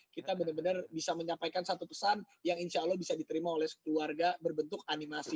kita benar benar bisa menyampaikan satu pesan yang insya allah bisa diterima oleh sekeluarga berbentuk animasi